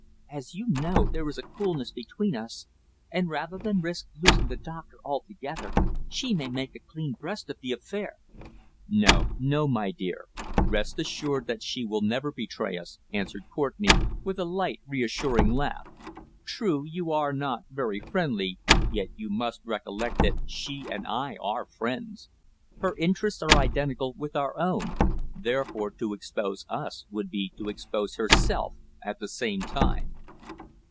"As you know, there is a coolness between us, and rather than risk losing the doctor altogether she may make a clean breast of the affair." "No, no, my dear. Rest assured that she will never betray us," answered Courtenay, with a light reassuring laugh. "True, you are not very friendly, yet you must recollect that she and I are friends. Her interests are identical with our own; therefore to expose us would be to expose herself at the same time."